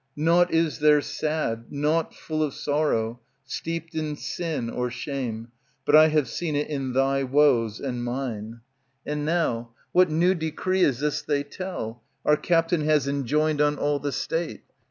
Nought is there sad, *Nought full of sorrow, steeped in sin or shame. But I have seen it in thy woes and mine. And now, what new decree is this they tell, Our captain has enjoined on all the State